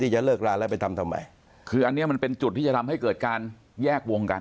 จะเลิกลาแล้วไปทำทำไมคืออันนี้มันเป็นจุดที่จะทำให้เกิดการแยกวงกัน